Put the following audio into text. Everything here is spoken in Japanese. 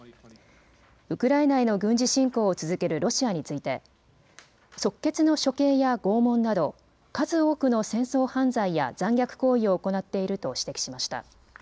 ウクライナへの軍事侵攻を続けるロシアについて即決の処刑や拷問など数多くの戦争犯罪や残虐行為を行っていると指摘しました。